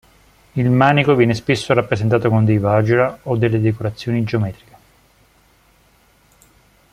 Il manico viene spesso rappresentato con dei vajra, o con delle decorazioni geometriche.